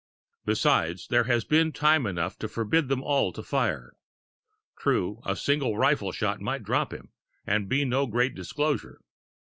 Besides, there has been time enough to forbid them all to fire. True, a single rifle shot might drop him and be no great disclosure.